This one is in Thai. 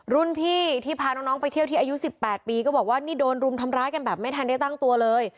รุ่นพี่ที่พาน้องไปเที่ยวที่อายุ๑๘ปีก็บอกว่านี่โดนรุมทำร้ายกันแบบไม่ทันได้ตั้งตัวเลย